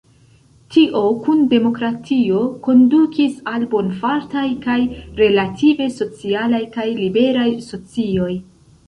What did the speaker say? Tio, kun demokratio, kondukis al bonfartaj kaj relative socialaj kaj liberaj socioj.